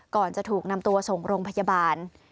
ก่อนจะถูกนำตัวส่งโรงพยาบาล